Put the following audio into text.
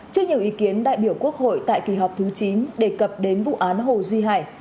trước nhiều ý kiến đại biểu quốc hội tại kỳ họp thứ chín đề cập đến vụ án hồ duy hải